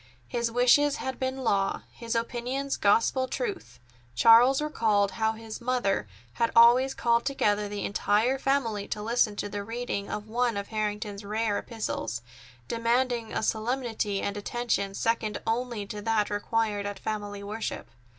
His wishes had been law, his opinions gospel truth. Charles recalled how his mother had always called together the entire family to listen to the reading to one of Harrington's rare epistles, demanding a solemnity and attention second only to that required at family worship.